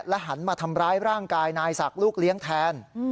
หันมาทำร้ายร่างกายนายศักดิ์ลูกเลี้ยงแทน